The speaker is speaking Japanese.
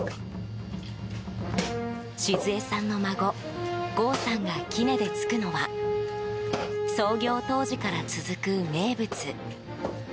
静恵さんの孫、豪さんがきねでつくのは創業当時から続く名物。